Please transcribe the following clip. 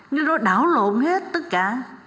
nhưng nó đảo lộn hết tất cả